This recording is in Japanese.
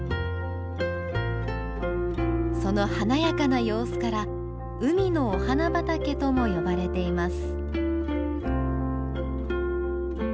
その華やかな様子から「海のお花畑」とも呼ばれています。